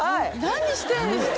何してんですか？